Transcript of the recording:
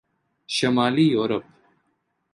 شمالی یورپ